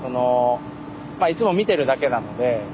まあいつも見てるだけなので。